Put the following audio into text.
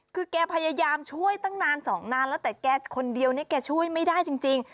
คือแกพยายามช่วยตั้งนานสองนานแล้วแต่แกคนเดียวเนี่ยแกช่วยไม่ได้จริง